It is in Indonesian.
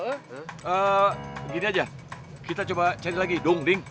eh gini aja kita coba cari lagi dong ding